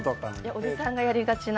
おじさんがやりがちな。